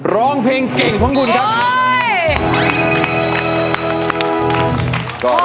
ร้องเพลงเก่งของคุณครับ